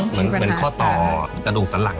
เหมือนข้อต่อมันก็ดูสั้นหลัง